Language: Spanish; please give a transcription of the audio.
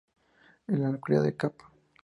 En la localidad de Cap.